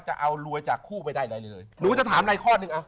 จะเอารวยจากคู่ไปได้ใดเลยหนูจะถามอะไรข้อหนึ่งอ่ะ